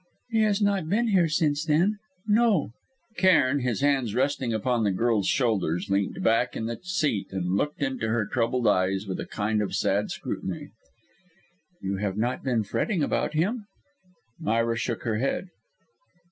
"He has not been here since then no." Cairn, his hands resting upon the girl's shoulders, leant back in the seat, and looked into her troubled eyes with a kind of sad scrutiny. "You have not been fretting about him?" Myra shook her head.